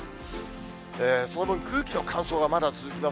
その分、空気の乾燥がまだ続きます。